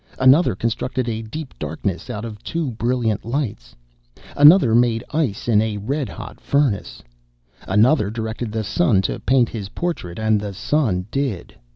Another constructed a deep darkness out of two brilliant lights. (*31) Another made ice in a red hot furnace. (*32) Another directed the sun to paint his portrait, and the sun did.